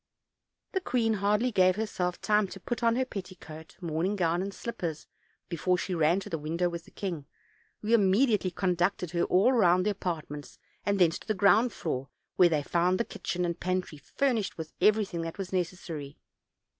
The queen hardly gave herself time to put on her petticoat, morning gown and slippers before she ran to the window with the king, who immediately conducted her all round the apartments and thence to the ground floor, where they found the kitchen and pantry furnished with everything that was necessary.